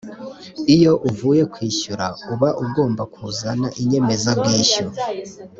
iyo uvuye kwishyura uba ugomba kuzana inyemeza bwishyu